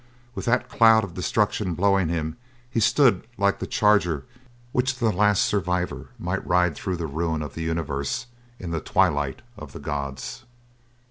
With that cloud of destruction blowing him he stood like the charger which the last survivor might ride through the ruin of the universe in the Twilight of the Gods.